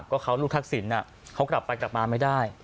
ก็เขาลูกทักษิณเขากลับไปกลับมาไม่ได้